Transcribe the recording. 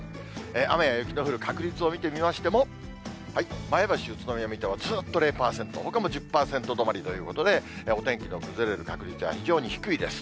雨や雪の降る確率を見てみましても、前橋、宇都宮、水戸はずーっと０％、ほかも１０％止まりということで、お天気が崩れる確率は非常に低いです。